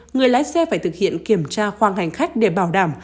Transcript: người lái xe phải thực hiện kiểm tra khoang hành khách để bảo đảm